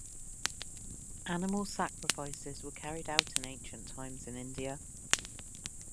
Animal sacrifices were carried out in ancient times in India.